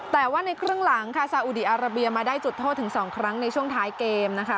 แต่ว่าในครึ่งหลังค่ะซาอุดีอาราเบียมาได้จุดโทษถึง๒ครั้งในช่วงท้ายเกมนะคะ